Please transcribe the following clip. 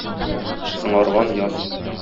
Соңарган яз